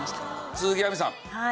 鈴木亜美さん。